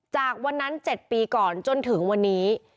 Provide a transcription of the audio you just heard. จากวันนั้น๗ปีก่อนจนถึงวันนี้